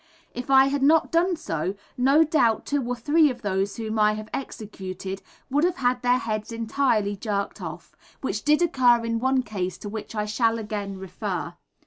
If I had not done so, no doubt two or three of those whom I have executed would have had their heads entirely jerked off, which did occur in one case to which I shall again refer.